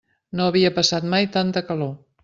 No havia passat mai tanta calor.